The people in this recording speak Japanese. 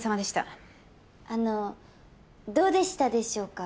あのどうでしたでしょうか？